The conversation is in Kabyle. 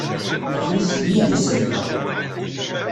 Atni seg yidis-nteɣ.